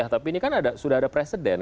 tapi ini kan sudah ada presiden